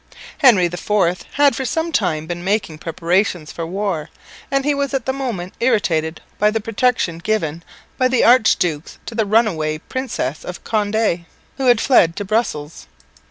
Henry IV had for some time been making preparations for war, and he was at the moment irritated by the protection given by the archdukes to the runaway Princess of Condé, who had fled to Brussels.